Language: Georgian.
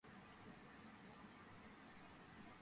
გადმოჰყურებს ტრის მყინვარს.